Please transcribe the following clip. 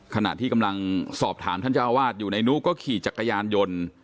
ขณะที่กำลังสอบถามท่านเจ้าอาวาสอยู่ในนุก็ขี่จักรยานยนต์